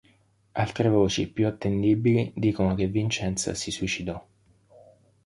Altre voci, più attendibili, dicono che Vincenza si suicidò.